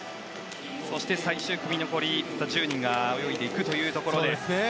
そして最終組の残り１０人が泳いでいくところです。